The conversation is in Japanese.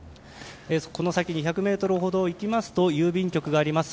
この先２００ｍほど行きますと郵便局があります。